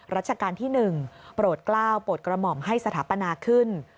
ราชการที่๑โปรดกล้าวโปรดกระหม่อมให้สถาปนาขึ้น